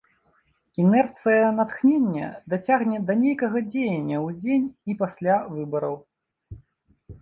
Інерцыя натхнення дацягне да нейкага дзеяння ў дзень і пасля выбараў.